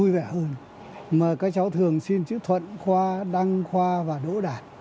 các cháu thường xin chữ thuận khoa đăng khoa và đỗ đạt